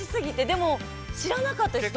でも、知らなかったです。